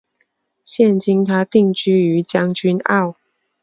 现今她定居于将军澳。